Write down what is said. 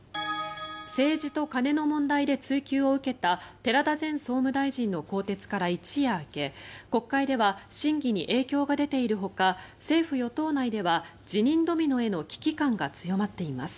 政治と金の問題で追及を受けた寺田前総務大臣の更迭から一夜明け国会では審議に影響が出ているほか政府・与党内では辞任ドミノへの危機感が強まっています。